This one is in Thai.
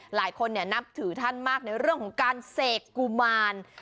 หลายคนนับถือท่านมากในเรื่องของการเสกกุมาร